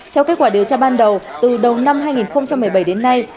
theo kết quả điều tra ban đầu từ đầu năm hai nghìn một mươi bảy đến nay